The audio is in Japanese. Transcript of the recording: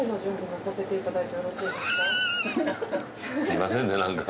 すいませんねなんか。